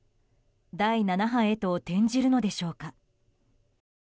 第７波へと転じるのでしょうか。